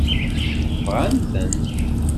Bɣan-ten?